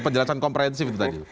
penjelasan komprensif itu tadi